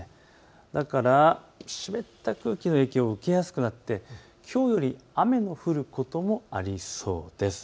だから湿った空気の影響を受けやすくなってきょうより雨の降ることもありそうです。